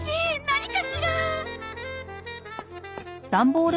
何かしら？